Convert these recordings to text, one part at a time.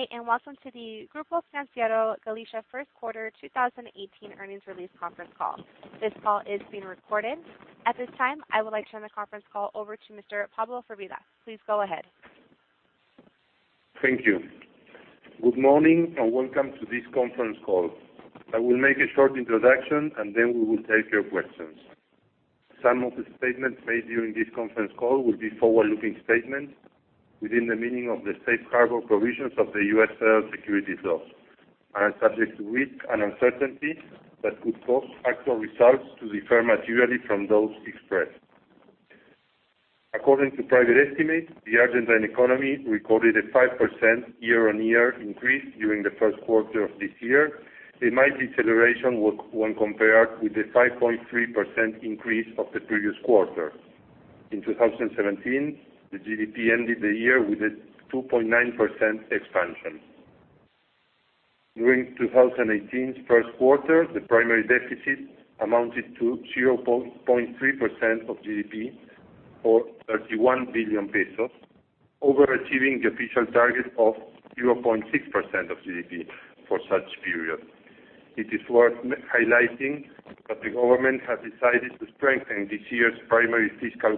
Good day, welcome to the Grupo Financiero Galicia first quarter 2018 earnings release conference call. This call is being recorded. At this time, I would like to turn the conference call over to Mr. Pablo Firvida. Please go ahead. Thank you. Good morning, welcome to this conference call. I will make a short introduction, then we will take your questions. Some of the statements made during this conference call will be forward-looking statements within the meaning of the safe harbor provisions of the U.S. federal securities laws and are subject to risk and uncertainty that could cause actual results to differ materially from those expressed. According to private estimates, the Argentine economy recorded a 5% year-on-year increase during the first quarter of this year. A mild deceleration when compared with the 5.3% increase of the previous quarter. In 2017, the GDP ended the year with a 2.9% expansion. During 2018's first quarter, the primary deficit amounted to 0.3% of GDP, or 31 billion pesos, overachieving the official target of 0.6% of GDP for such period. It is worth highlighting that the government has decided to strengthen this year's primary fiscal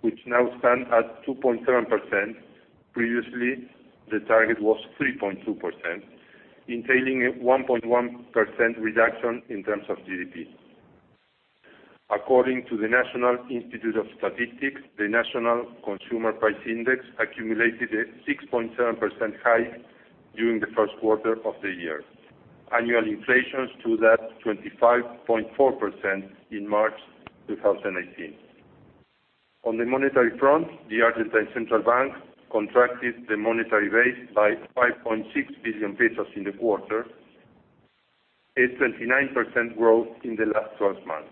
goals, which now stand at 2.7%. Previously, the target was 3.2%, entailing a 1.1% reduction in terms of GDP. According to the National Institute of Statistics, the National Consumer Price Index accumulated a 6.7% hike during the first quarter of the year. Annual inflation stood at 25.4% in March 2018. On the monetary front, the Argentine Central Bank contracted the monetary base by 5.6 billion pesos in the quarter, a 29% growth in the last 12 months.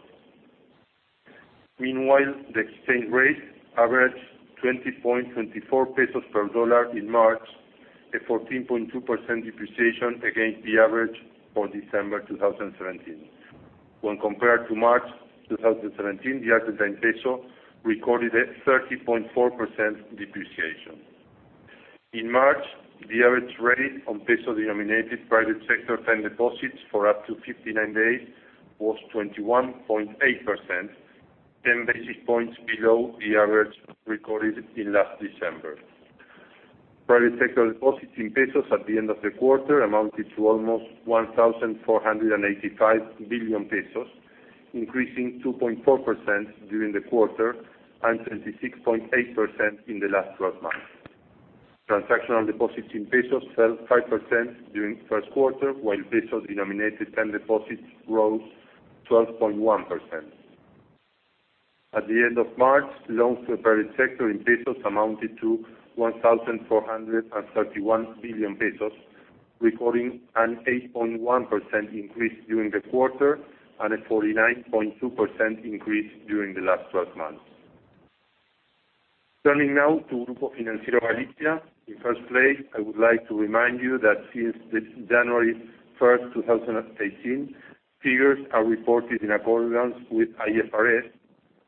Meanwhile, the exchange rate averaged 20.24 pesos per USD in March, a 14.2% depreciation against the average for December 2017. When compared to March 2017, the Argentine peso recorded a 30.4% depreciation. In March, the average rate on peso-denominated private sector term deposits for up to 59 days was 21.8%, 10 basis points below the average recorded in last December. Private sector deposits in pesos at the end of the quarter amounted to almost 1,485 billion pesos, increasing 2.4% during the quarter and 26.8% in the last 12 months. Transactional deposits in pesos fell 5% during the first quarter, while peso-denominated term deposits rose 12.1%. At the end of March, loans to the private sector in pesos amounted to 1,431 billion pesos, recording an 8.1% increase during the quarter and a 49.2% increase during the last 12 months. Turning now to Grupo Financiero Galicia. In first place, I would like to remind you that since January 1st, 2018, figures are reported in accordance with IFRS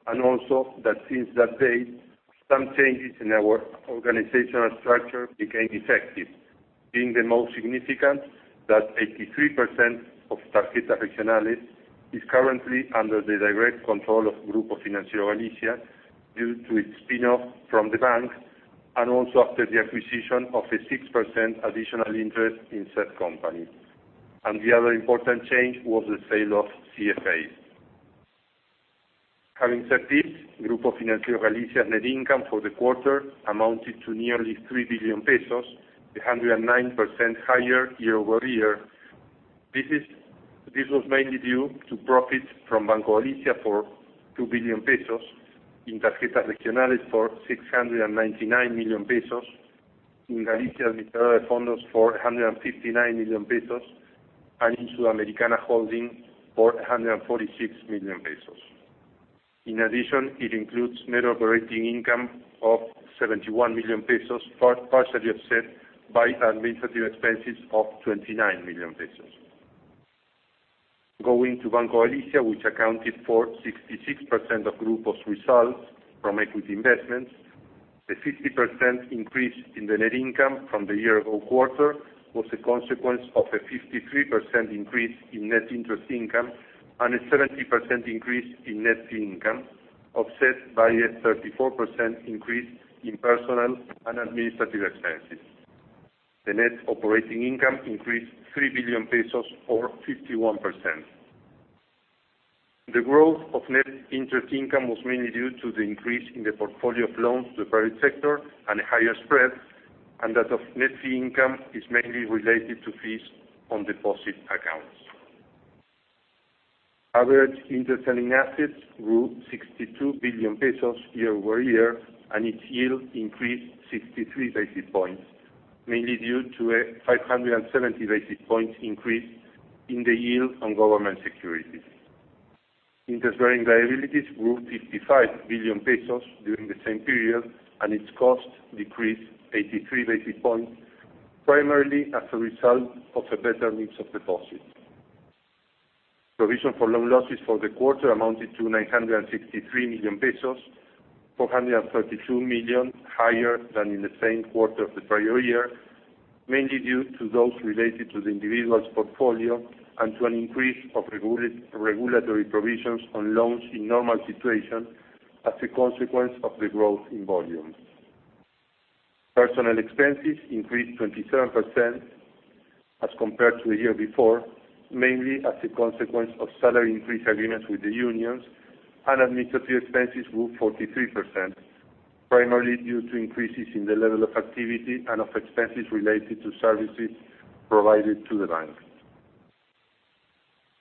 and also that since that date, some changes in our organizational structure became effective, being the most significant that 83% of Tarjetas Regionales is currently under the direct control of Grupo Financiero Galicia due to its spin-off from the bank and also after the acquisition of a 6% additional interest in said company. The other important change was the sale of CFA. Having said this, Grupo Financiero Galicia's net income for the quarter amounted to nearly 3 billion pesos, 109% higher year over year. This was mainly due to profits from Banco Galicia for 2 billion pesos, in Tarjetas Regionales for 699 million pesos, in Galicia Administradora de Fondos for 159 million pesos, and in Sudamericana Holding for 146 million pesos. In addition, it includes net operating income of 71 million pesos, partially offset by administrative expenses of 29 million pesos. Going to Banco Galicia, which accounted for 66% of Grupo's results from equity investments, a 50% increase in the net income from the year-ago quarter was a consequence of a 53% increase in net interest income and a 17% increase in net fee income, offset by a 34% increase in personnel expenses and administrative expenses. The net operating income increased 3 billion pesos or 51%. The growth of net interest income was mainly due to the increase in the portfolio of loans to the private sector and higher spreads. That of net fee income is mainly related to fees on deposit accounts. Average interest-earning assets grew 62 billion pesos year over year. Its yield increased 63 basis points, mainly due to a 570 basis points increase in the yield on government securities. Interest-earning liabilities grew 55 billion pesos during the same period. Its cost decreased 83 basis points, primarily as a result of a better mix of deposits. Provision for loan losses for the quarter amounted to 963 million pesos, 432 million higher than in the same quarter of the prior year, mainly due to those related to the individuals portfolio and to an increase of regulatory provisions on loans in normal situation as a consequence of the growth in volumes. Personnel expenses increased 27% as compared to a year before, mainly as a consequence of salary increase agreements with the unions. Administrative expenses grew 43%, primarily due to increases in the level of activity and of expenses related to services provided to the bank.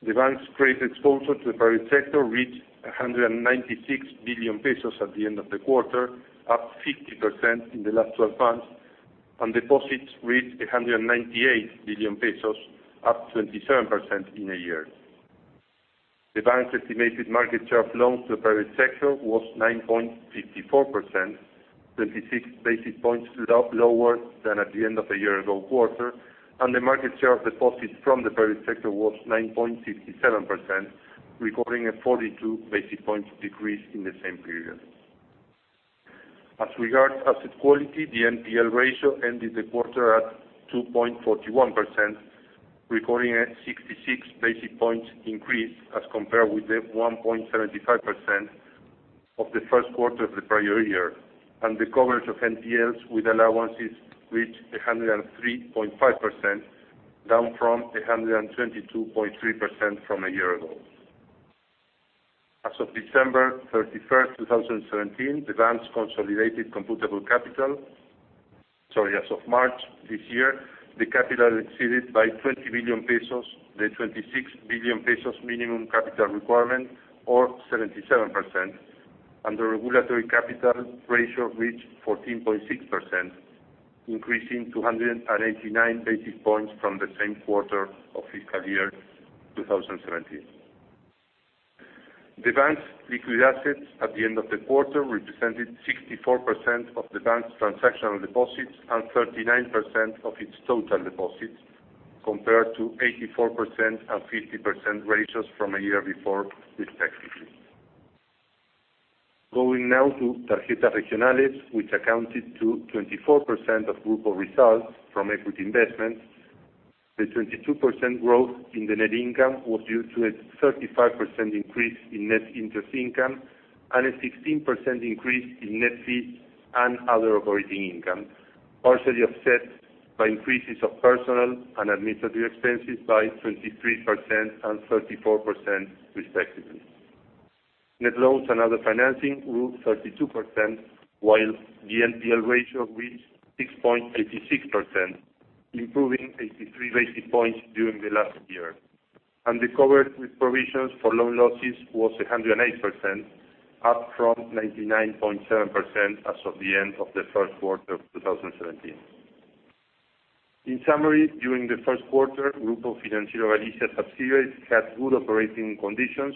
The bank's credit exposure to the private sector reached 196 billion pesos at the end of the quarter, up 50% in the last 12 months. Deposits reached 198 billion pesos, up 27% in a year. The bank's estimated market share of loans to the private sector was 9.54%, 26 basis points lower than at the end of a year ago quarter. The market share of deposits from the private sector was 9.57%, recording a 42 basis points decrease in the same period. As regards asset quality, the NPL ratio ended the quarter at 2.41%, recording a 66 basis points increase as compared with the 1.75% of the first quarter of the prior year, and the coverage of NPLs with allowances reached 103.5%, down from 122.3% from a year ago. As of March this year, the capital exceeded by 20 billion pesos, the 26 billion pesos minimum capital requirement, or 77%, and the regulatory capital ratio reached 14.6%, increasing 289 basis points from the same quarter of fiscal year 2017. The bank's liquid assets at the end of the quarter represented 64% of the bank's transactional deposits and 39% of its total deposits, compared to 84% and 50% ratios from a year before, respectively. Going now to Tarjetas Regionales, which accounted to 24% of group results from equity investments. The 22% growth in the net income was due to a 35% increase in net interest income and a 16% increase in net fees and other operating income, partially offset by increases of personnel and administrative expenses by 23% and 34%, respectively. Net loans and other financing grew 32%, while the NPL ratio reached 6.86%, improving 83 basis points during the last year. The coverage with provisions for loan losses was 108%, up from 99.7% as of the end of the first quarter of 2017. In summary, during the first quarter, Grupo Financiero Galicia subsidiaries had good operating conditions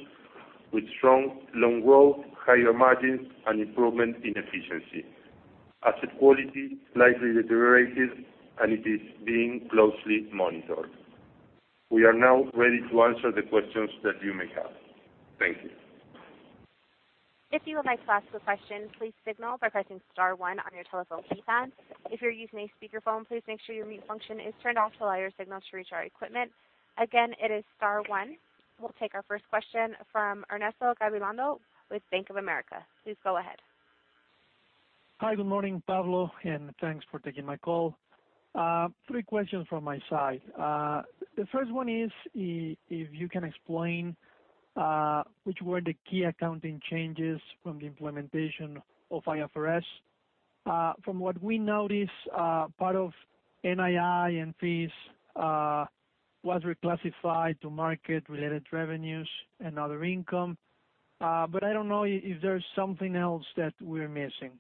with strong loan growth, higher margins, and improvement in efficiency. Asset quality slightly deteriorated, and it is being closely monitored. We are now ready to answer the questions that you may have. Thank you. If you would like to ask a question, please signal by pressing star one on your telephone keypad. If you're using a speakerphone, please make sure your mute function is turned off to allow your signal to reach our equipment. Again, it is star one. We'll take our first question from Ernesto Gabilondo with Bank of America. Please go ahead. Hi, good morning, Pablo, and thanks for taking my call. Three questions from my side. The first one is, if you can explain which were the key accounting changes from the implementation of IFRS. From what we notice, part of NII and fees was reclassified to market-related revenues and other income. I don't know if there's something else that we're missing.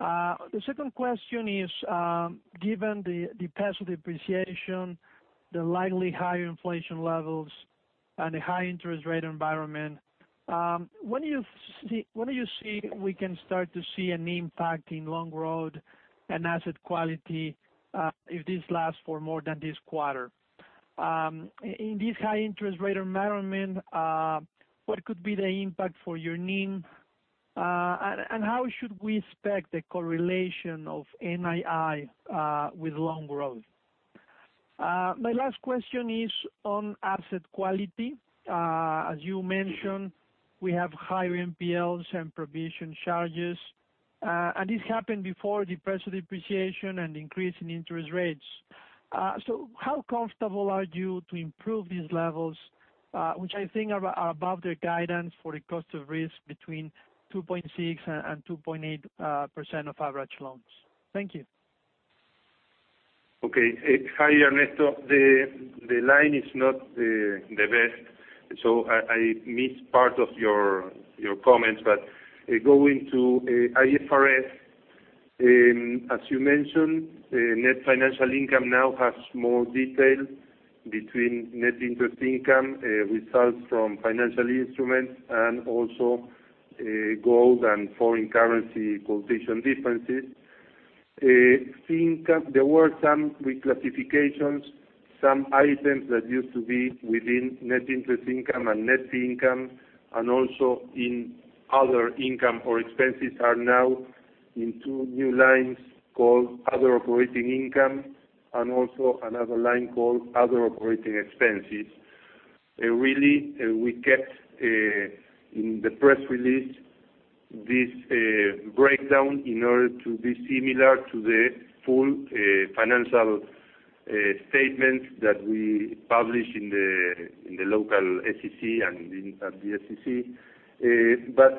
The second question is, given the passive depreciation, the likely higher inflation levels, and the high interest rate environment, when do you see we can start to see an impact in loan growth and asset quality, if this lasts for more than this quarter? In this high interest rate environment, what could be the impact for your NIM, and how should we expect the correlation of NII with loan growth? My last question is on asset quality. As you mentioned, we have higher NPLs and provision charges. This happened before the passive depreciation and increase in interest rates. How comfortable are you to improve these levels, which I think are above the guidance for the cost of risk between 2.6% and 2.8% of average loans? Thank you. Okay. Hi, Ernesto. The line is not the best, so I missed part of your comments. Going to IFRS, as you mentioned, net financial income now has more detail between net interest income, results from financial instruments, and also gold and foreign currency quotation differences. Fee income, there were some reclassifications, some items that used to be within net interest income and net fee income, and also in other income or expenses, are now in two new lines called other operating income and also another line called other operating expenses. We kept, in the press release, this breakdown in order to be similar to the full financial statement that we publish in the local SEC and at the SEC.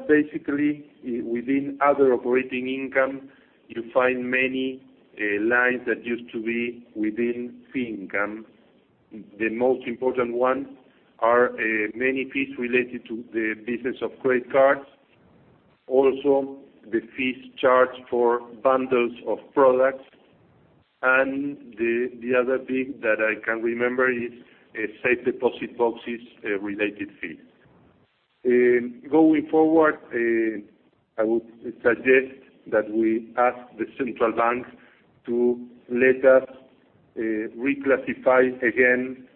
Basically, within other operating income, you find many lines that used to be within fee income. The most important one are many fees related to the business of credit cards. The fees charged for bundles of products, and the other thing that I can remember is safe deposit boxes related fees. Going forward, I would suggest that we ask the Central Bank to let us reclassify again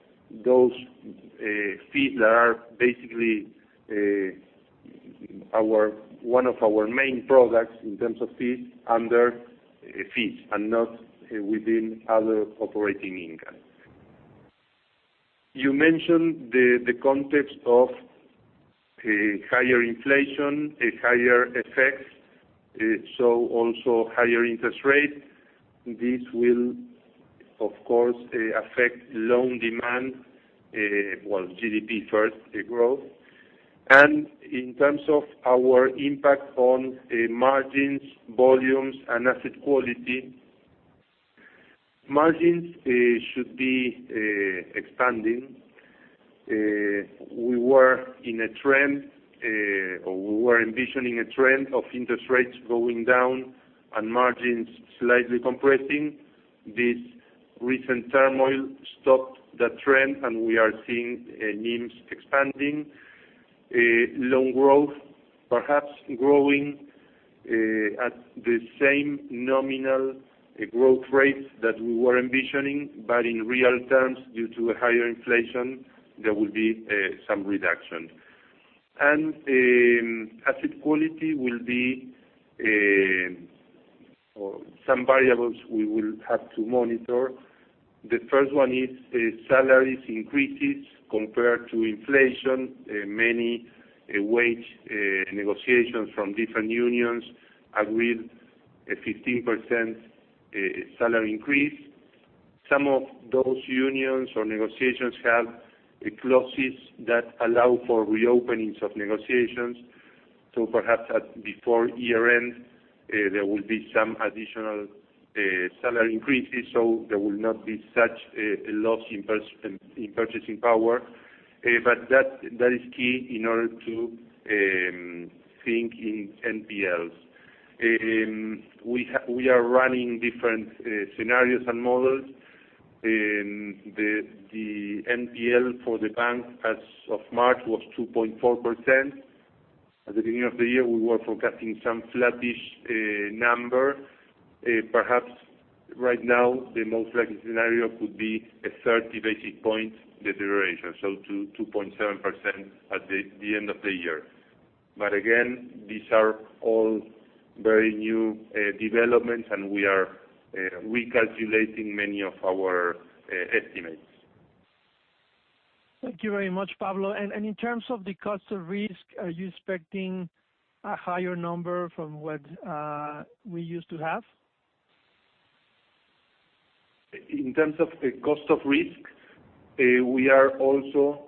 those fees that are basically one of our main products in terms of fees, under fees and not within other operating income. You mentioned the context of higher inflation, higher effects, also higher interest rate. This will, of course, affect loan demand, well, GDP first, growth. In terms of our impact on margins, volumes, and asset quality, margins should be expanding. We were in a trend, or we were envisioning a trend of interest rates going down and margins slightly compressing. This recent turmoil stopped that trend, and we are seeing NIMs expanding, loan growth perhaps growing at the same nominal growth rate that we were envisioning. In real terms, due to higher inflation, there will be some reduction. Asset quality, some variables we will have to monitor. The first one is salaries increases compared to inflation. Many wage negotiations from different unions agreed a 15% salary increase. Some of those unions or negotiations have clauses that allow for reopenings of negotiations. Perhaps before year-end, there will be some additional salary increases, so there will not be such a loss in purchasing power. That is key in order to think in NPLs. We are running different scenarios and models. The NPL for the bank as of March was 2.4%. At the beginning of the year, we were forecasting some flattish number. Perhaps right now, the most likely scenario could be a 30 basis points deterioration, so 2.7% at the end of the year. Again, these are all very new developments, we are recalculating many of our estimates. Thank you very much, Pablo. In terms of the cost of risk, are you expecting a higher number from what we used to have? In terms of cost of risk, we are also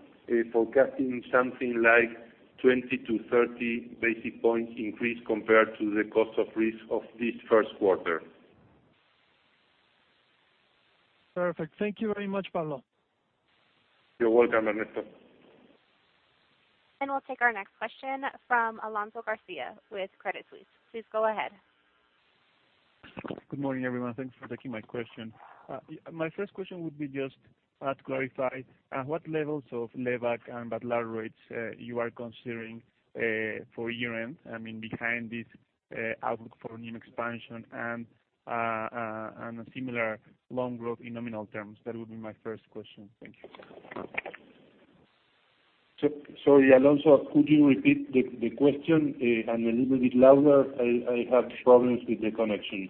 forecasting something like 20 to 30 basis points increase compared to the cost of risk of this first quarter. Perfect. Thank you very much, Pablo. You're welcome, Ernesto. We'll take our next question from Alonso Garcia with Credit Suisse. Please go ahead. Good morning, everyone. Thanks for taking my question. My first question would be just to clarify what levels of Lebac and Badlar rates you are considering for year-end, behind this outlook for NIM expansion and a similar loan growth in nominal terms. That would be my first question. Thank you. Sorry, Alonso, could you repeat the question and a little bit louder? I have problems with the connection.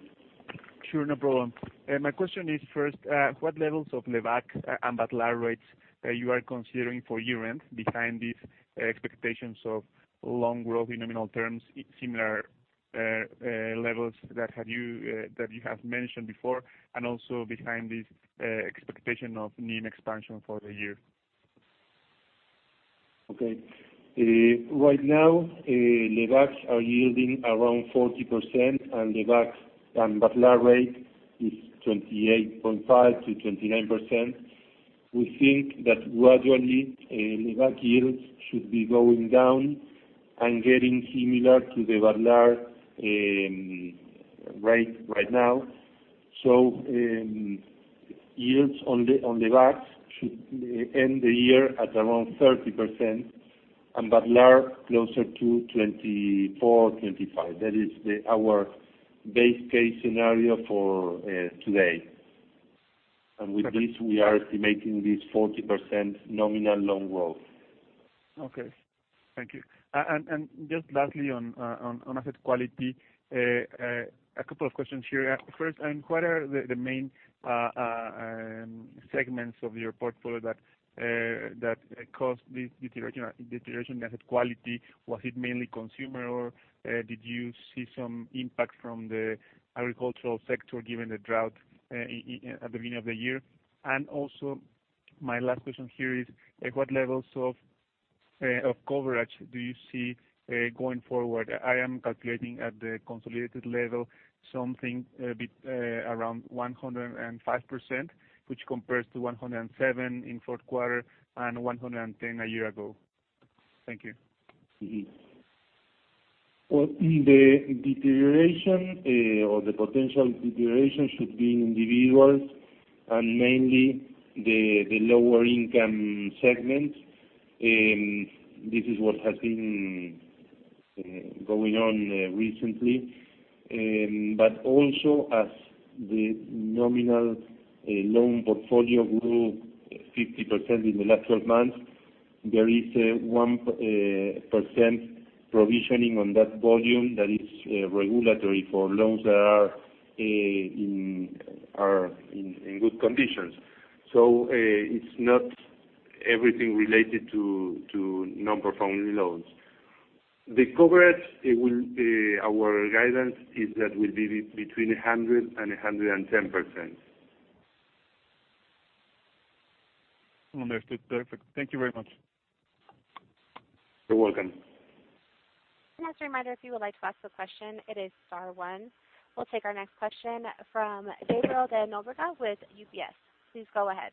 Sure, no problem. My question is, first, what levels of Lebac and Badlar rates you are considering for year-end behind these expectations of loan growth in nominal terms, similar levels that you have mentioned before, and also behind this expectation of NIM expansion for the year. Okay. Right now, Lebacs are yielding around 40%, and Badlar rate is 28.5%-29%. We think that gradually, Lebac yields should be going down and getting similar to the Badlar rate right now. Yields on Lebacs should end the year at around 30%. Badlar, closer to 24%-25%. That is our base case scenario for today. With this, we are estimating this 40% nominal loan growth. Okay, thank you. Just lastly on asset quality, a couple of questions here. First, what are the main segments of your portfolio that caused this deterioration in asset quality? Was it mainly consumer, or did you see some impact from the agricultural sector given the drought at the beginning of the year? Also, my last question here is, at what levels of coverage do you see going forward? I am calculating at the consolidated level, something a bit around 105%, which compares to 107% in fourth quarter and 110% a year ago. Thank you. Well, the deterioration or the potential deterioration should be in individuals and mainly the lower income segments. This is what has been going on recently. Also, as the nominal loan portfolio grew 50% in the last 12 months, there is 1% provisioning on that volume that is regulatory for loans that are in good conditions. It's not everything related to non-performing loans. The coverage, our guidance is that will be between 100%-110%. Understood. Perfect. Thank you very much. You're welcome. As a reminder, if you would like to ask a question, it is star one. We will take our next question from Gabriel Nóbrega with UBS. Please go ahead.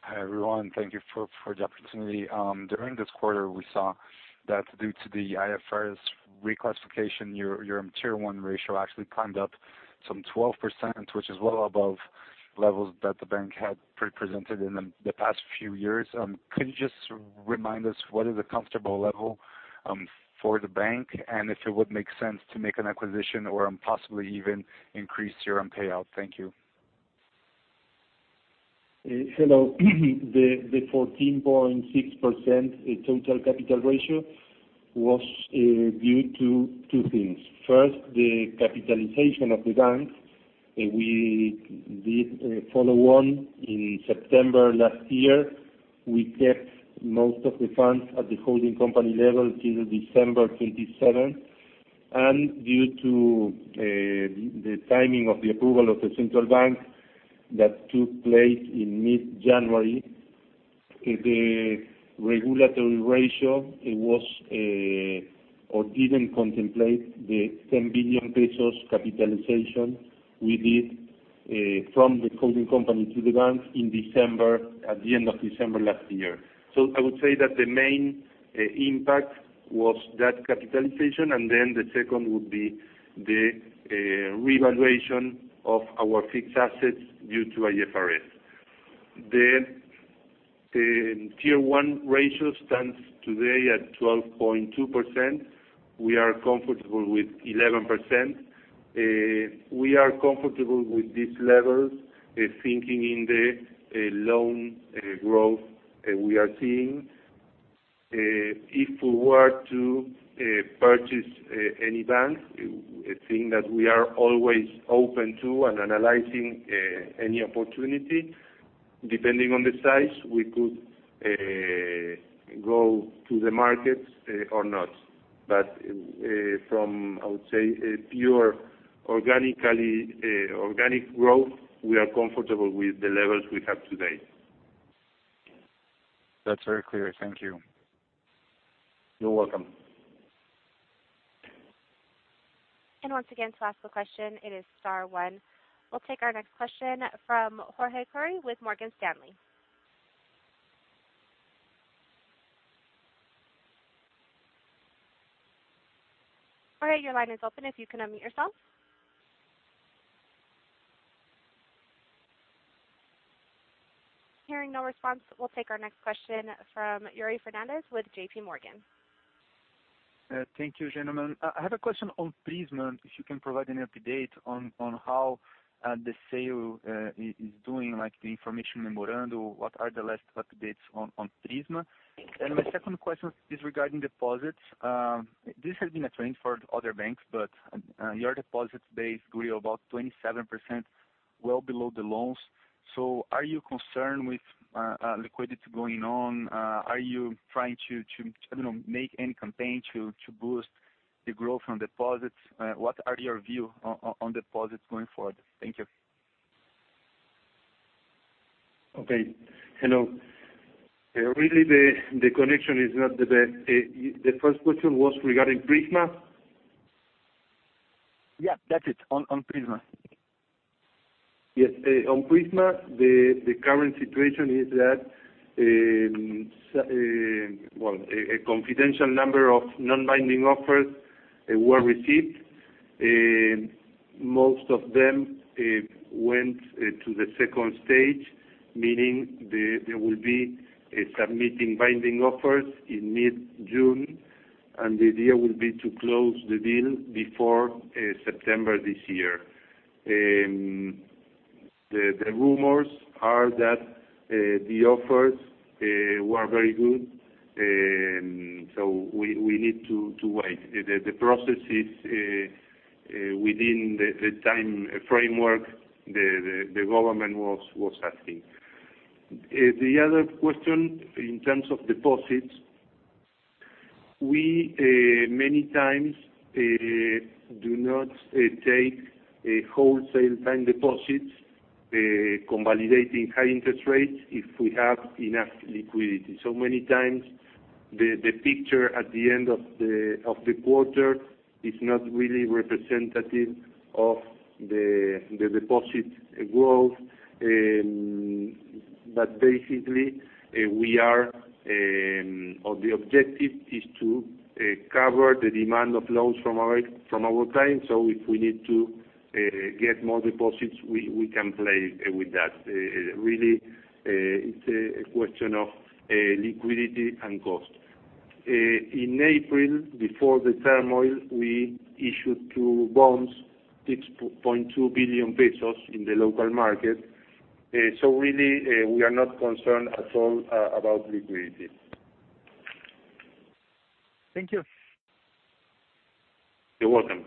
Hi, everyone. Thank you for the opportunity. During this quarter, we saw that due to the IFRS reclassification, your Tier 1 ratio actually climbed up some 12%, which is well above levels that the bank had presented in the past few years. Could you just remind us what is a comfortable level for the bank, and if it would make sense to make an acquisition or possibly even increase your payout? Thank you. Hello. The 14.6% total capital ratio was due to two things. First, the capitalization of the bank. We did follow on in September last year. We kept most of the funds at the holding company level till December 27. Due to the timing of the approval of the Central Bank that took place in mid-January, the regulatory ratio didn't contemplate the 10 billion pesos capitalization we did from the holding company to the bank at the end of December last year. I would say that the main impact was that capitalization, and then the second would be the revaluation of our fixed assets due to IFRS. The Tier 1 ratio stands today at 12.2%. We are comfortable with 11%. We are comfortable with these levels, thinking in the loan growth we are seeing. If we were to purchase any bank, a thing that we are always open to and analyzing any opportunity, depending on the size, we could go to the market or not. From, I would say, pure organic growth, we are comfortable with the levels we have today. That's very clear. Thank you. You're welcome. Once again, to ask a question, it is star one. We'll take our next question from Jorge Kuri with Morgan Stanley. Jorge, your line is open if you can unmute yourself. Hearing no response, we'll take our next question from Yuri Fernandes with JPMorgan. Thank you, gentlemen. I have a question on Prisma, if you can provide an update on how the sale is doing, like the information memorandum, what are the latest updates on Prisma? My second question is regarding deposits. This has been a trend for other banks, but your deposits base grew about 27%, well below the loans. Are you concerned with liquidity going on? Are you trying to make any campaign to boost the growth on deposits? What are your view on deposits going forward? Thank you. Okay. Hello. Really, the connection is not the best. The first question was regarding Prisma? Yeah, that's it, on Prisma. Yes. On Prisma, the current situation is that, well, a confidential number of non-binding offers were received. Most of them went to the second stage, meaning they will be submitting binding offers in mid-June, and the idea will be to close the deal before September this year. The rumors are that the offers were very good, we need to wait. The process is within the time framework the government was asking. The other question, in terms of deposits, we, many times, do not take wholesale time deposits, consolidating high interest rates if we have enough liquidity. Many times, the picture at the end of the quarter is not really representative of the deposit growth. Basically, the objective is to cover the demand of loans from our clients. If we need to get more deposits, we can play with that. Really, it's a question of liquidity and cost. In April, before the turmoil, we issued two bonds, 6.2 billion pesos in the local market. Really, we are not concerned at all about liquidity. Thank you. You're welcome.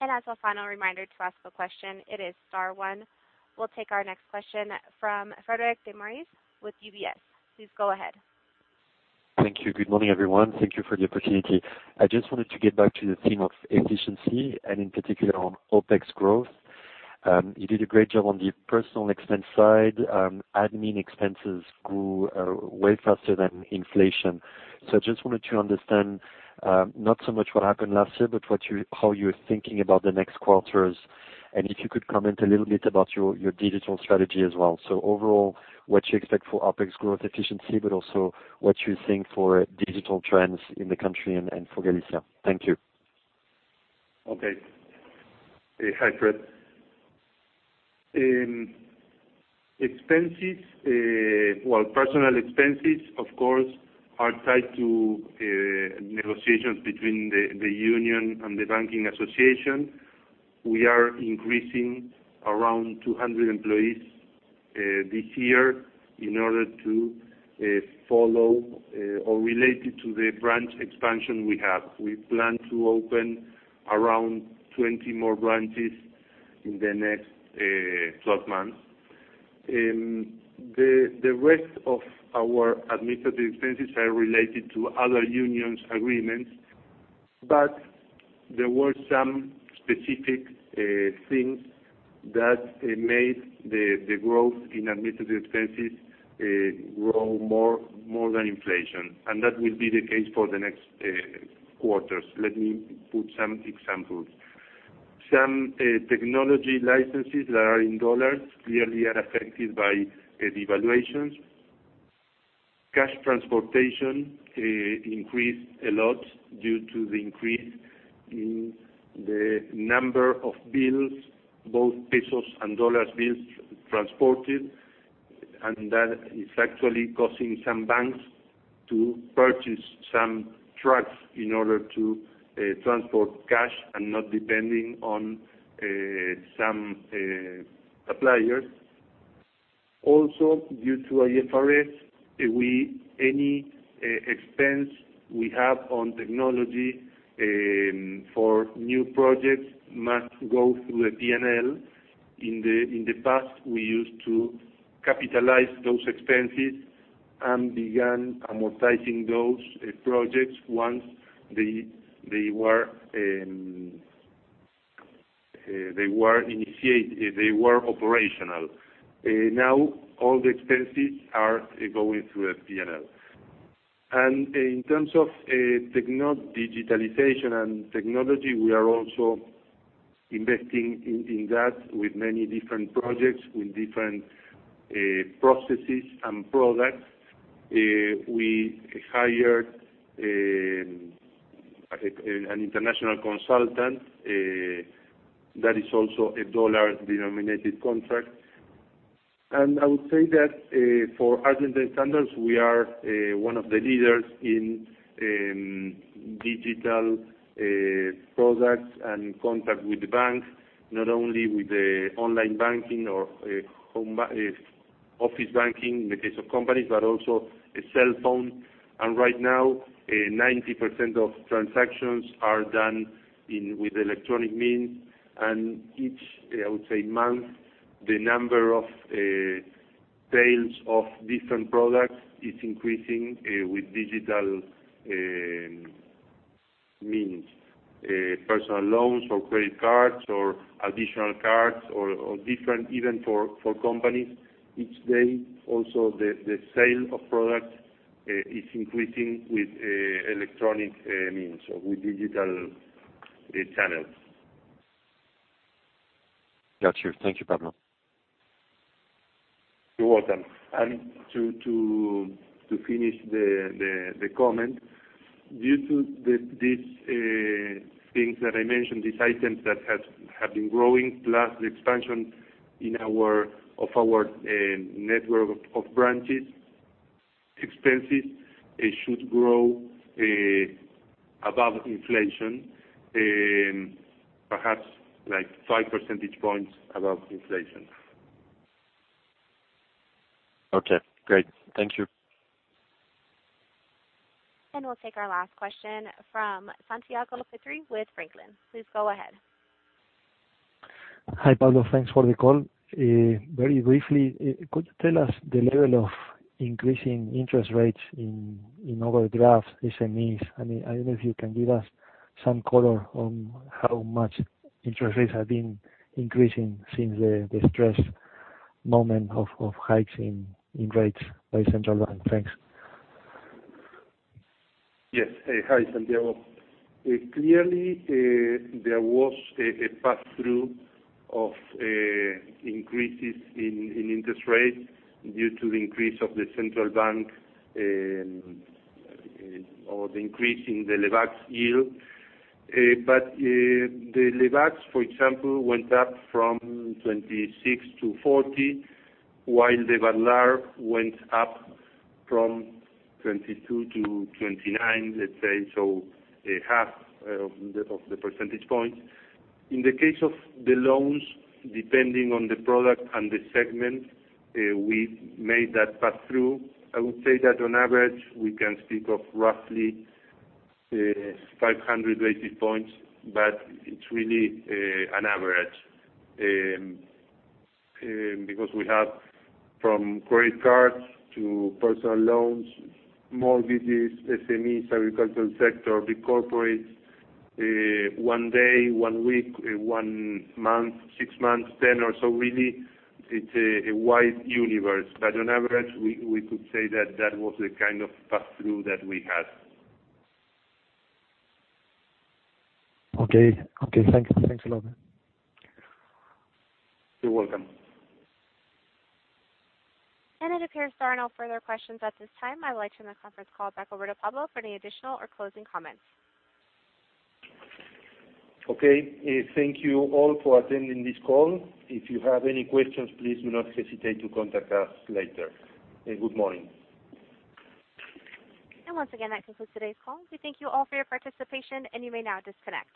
As a final reminder to ask a question, it is star one. We'll take our next question from Frederic Dembiski with UBS. Please go ahead. Thank you. Good morning, everyone. Thank you for the opportunity. I just wanted to get back to the theme of efficiency and in particular on OpEx growth. You did a great job on the personnel expense side. Admin expenses grew way faster than inflation. I just wanted to understand, not so much what happened last year, but how you're thinking about the next quarters, and if you could comment a little bit about your digital strategy as well. Overall, what you expect for OpEx growth efficiency, but also what you think for digital trends in the country and for Galicia. Thank you. Okay. Hi, Fred. Personnel expenses, of course, are tied to negotiations between the union and the banking association. We are increasing around 200 employees this year in order to follow or related to the branch expansion we have. We plan to open around 20 more branches in the next 12 months. The rest of our administrative expenses are related to other union agreements, but there were some specific things that made the growth in administrative expenses grow more than inflation, and that will be the case for the next quarters. Let me put some examples. Some technology licenses that are in USD clearly are affected by the devaluations. Cash transportation increased a lot due to the increase in the number of bills, both ARS and USD bills transported, and that is actually causing some banks to purchase some trucks in order to transport cash and not depending on some suppliers. Due to IFRS, any expense we have on technology for new projects must go through a P&L. In the past, we used to capitalize those expenses and began amortizing those projects once they were operational. Now, all the expenses are going through a P&L. In terms of digitalization and technology, we are also investing in that with many different projects, with different processes and products. We hired an international consultant that is also a USD-denominated contract. I would say that for Argentine standards, we are one of the leaders in digital products and contact with the bank, not only with the online banking or office banking in the case of companies, but also a cell phone. Right now, 90% of transactions are done with electronic means. Each, I would say, month, the number of sales of different products is increasing with digital means, personal loans or credit cards or additional cards or different even for companies. Each day, also the sale of product is increasing with electronic means or with digital channels. Got you. Thank you, Pablo. You're welcome. To finish the comment, due to these things that I mentioned, these items that have been growing, plus the expansion of our network of branches, expenses should grow above inflation, perhaps five percentage points above inflation. Okay, great. Thank you. And we will take our last question from Santiago Petri with Franklin. Please go ahead. Hi, Pablo. Thanks for the call. Very briefly, could you tell us the level of increasing interest rates in overdrafts, SMEs? I do not know if you can give us some color on how much interest rates have been increasing since the stress moment of hiking rates by Central Bank. Thanks. Yes. Hi, Santiago. Clearly, there was a pass-through of increases in interest rates due to the increase of the Central Bank or the increase in the Lebacs yield. The Lebacs, for example, went up from 26 to 40, while the Badlar went up from 22 to 29, let's say, so half of the percentage points. In the case of the loans, depending on the product and the segment, we made that pass-through. I would say that on average, we can speak of roughly 500 basis points, but it is really an average, because we have from credit cards to personal loans, mortgages, SMEs, agricultural sector, big corporates, one day, one week, one month, six months, 10, or so really it is a wide universe. On average, we could say that that was the kind of pass-through that we had. Okay. Thanks a lot. You're welcome. It appears there are no further questions at this time. I would like to turn the conference call back over to Pablo for any additional or closing comments. Okay. Thank you all for attending this call. If you have any questions, please do not hesitate to contact us later. Good morning. Once again, that concludes today's call. We thank you all for your participation, and you may now disconnect.